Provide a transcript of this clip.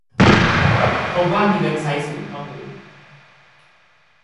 พบว่ามีเว็บไซต์ศูนย์ข้อมูล